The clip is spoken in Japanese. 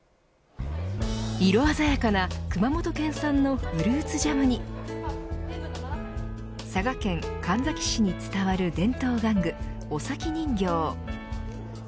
色鮮やかな熊本県産のフルーツジャムに佐賀県神埼市に伝わる伝統玩具尾崎人形。